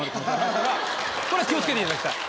これ気を付けていただきたい。